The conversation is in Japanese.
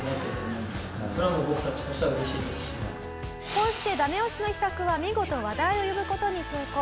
こうしてダメ押しの秘策は見事話題を呼ぶ事に成功。